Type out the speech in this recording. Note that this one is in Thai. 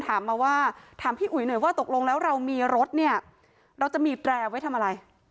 ถามมาว่าถามพี่อุ๋ยหน่อยว่าตกลงแล้วเรามีรถเนี่ยเราจะมีแตรไว้ทำอะไร